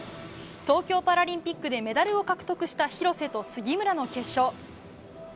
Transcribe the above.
東京パラリンピックでメダルを獲得した廣瀬と杉村の決勝。